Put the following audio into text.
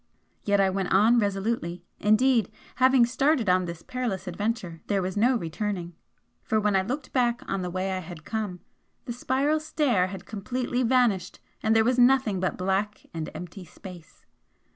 Yet I went on resolutely, indeed, having started on this perilous adventure, there was no returning, for when I looked back on the way I had come, the spiral stair had completely vanished, and there was nothing but black and empty space!